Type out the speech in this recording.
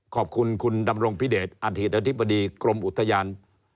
ขอบคุณคุณดำรงพิเดชอดีตอธิบดีกรมอุทยาน